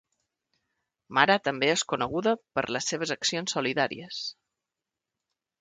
Mara també és coneguda per les seves accions solidàries.